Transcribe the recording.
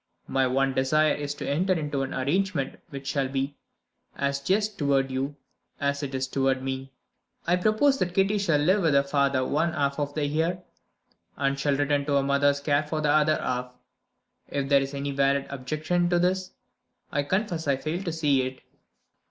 My one desire is to enter into an arrangement which shall be as just toward you, as it is toward me. I propose that Kitty shall live with her father one half of the year, and shall return to her mother's care for the other half If there is any valid objection to this, I confess I fail to see it."